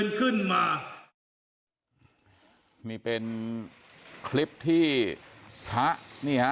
ที่พระส่งรูปนี้